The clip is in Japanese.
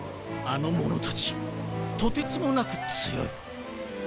あの者たちとてつもなく強い。